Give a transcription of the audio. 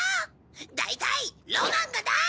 大体ロマンがない！